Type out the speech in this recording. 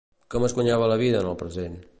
Com es guanyava la vida en el present?